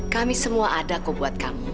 kami semua ada kok buat kamu